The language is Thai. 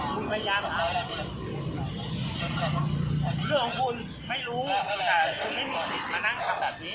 คุณพยายามของเขาแหละเรื่องของคุณไม่รู้แต่คุณไม่มีสิทธิ์มานั่งทำแบบนี้